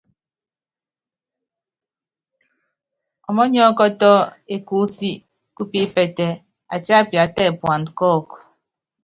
Ɔmɔnyiɔ́kɔtɔ́ ékúsí kúpípɛtɛ́, atíapia tɛ puandá kɔ́ɔku.